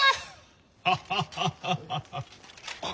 ハハハハハッ。